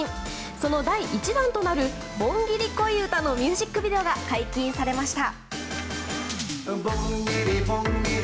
その第１弾となる「盆ギリ恋歌」のミュージックビデオが解禁されました。